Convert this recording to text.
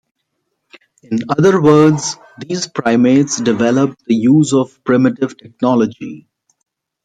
In other words, these primates developed the use of primitive technology.